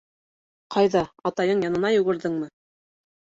Ҡайҙа, атайың янына йүгерҙеңме?